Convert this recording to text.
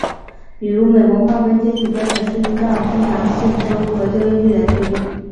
比如美国划分阶级标准是依照经常性收入和就业率来确定。